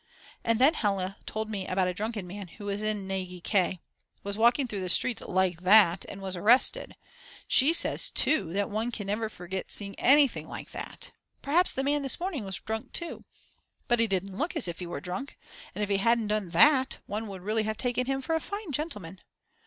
And then Hella told me about a drunken man who in Nagy K. ... was walking through the streets like that and was arrested. She says too that one can never forget seeing anything like that. Perhaps the man this morning was drunk too. But he didn't look as if he were drunk. And if he hadn't done that one would really have taken him for a fine gentleman.